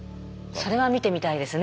それは見てみたいですね。